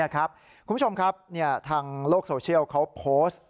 คุณผู้ชมครับทางโลกโซเชียลเขาโพสต์